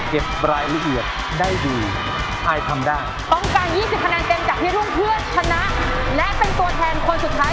ตรงกลาง๒๐คะแนนเต็มที่พี่ภูมิเพื่อชนะและเป็นตัวแทนคนสุดท้าย